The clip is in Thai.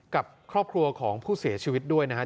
กับครอบครัวของผู้เสียชีวิตด้วยนะครับ